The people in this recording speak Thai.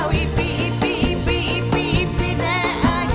แล้วอิปปี่อิปปี่อิปปี่อิปปี่แร่อาย